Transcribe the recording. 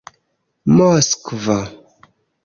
moskvo